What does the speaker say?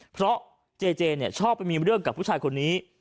เพราะเจเจชอบไปมีเรื่องกับผู้ชายคนนี้